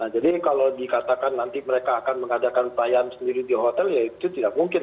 jadi kalau dikatakan nanti mereka akan mengadakan perayaan sendiri di hotel ya itu tidak mungkin